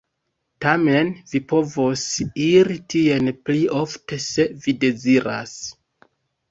Tamen vi povos iri tien pli ofte, se vi deziras.